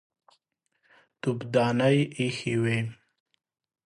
تفدانۍ ايښې وې.